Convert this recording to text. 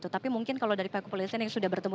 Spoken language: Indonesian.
tapi mungkin kalau dari pak kupulisen yang sudah bertemu